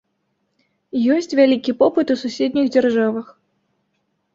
Ёсць вялікі попыт у суседніх дзяржавах.